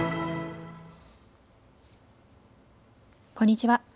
こんにちは。